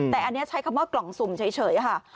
แต่อันนี้ใช้คำว่ากล่องสุ่มเฉยค่ะ